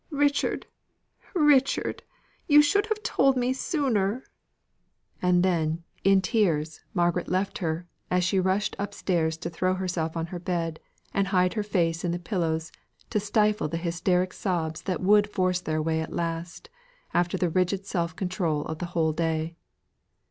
Richard, Richard, you should have told me sooner!" And then, in tears, Margaret left her, as she rushed up stairs to throw herself on her bed, and hide her face in the pillows to stifle the hysteric sobs that would force their way out at last, after the rigid self control of the whole day.